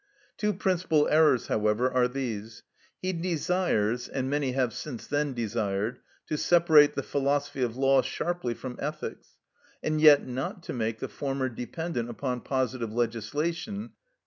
Two principal errors, however, are these. He desires (and many have since then desired) to separate the Philosophy of Law sharply from ethics, and yet not to make the former dependent upon positive legislation, _i.